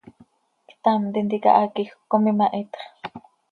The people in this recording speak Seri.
Ctam tintica haquejöc com imahitxl.